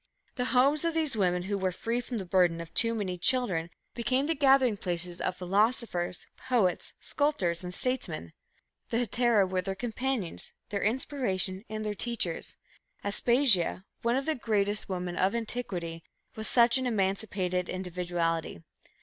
The homes of these women who were free from the burden of too many children became the gathering places of philosophers, poets, sculptors and statesmen. The hetera were their companions, their inspiration and their teachers. Aspasia, one of the greatest women of antiquity, was such an emancipated individuality.